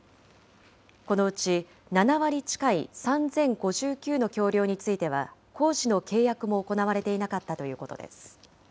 このうち７割近い３０５９の橋りょうについては、工事の契約も行われていなかったということです。